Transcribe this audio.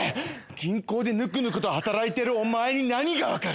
銀行でぬくぬくと働いてるお前に何がわかる！